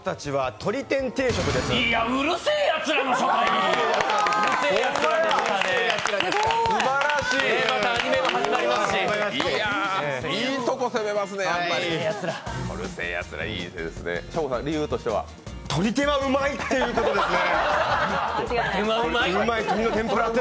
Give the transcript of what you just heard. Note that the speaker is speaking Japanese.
とり天はうまいってことですね！